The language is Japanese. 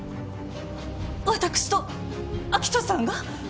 私と明人さんが？